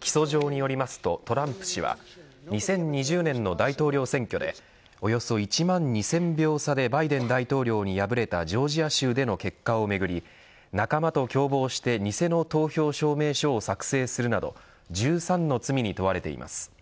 起訴状によりますとトランプ氏は２０２０年の大統領選挙でおよそ１万２０００票差でバイデン大統領に敗れたジョージア州での結果をめぐり仲間と共謀して偽の投票証明書を作成するなど１３の罪に問われています。